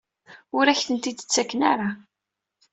Ur ak-ten-id-ttaken ara?